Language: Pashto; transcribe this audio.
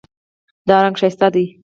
دا رنګ ښایسته دی